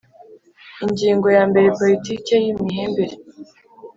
Ingingo ya mbere Politiki y imihembere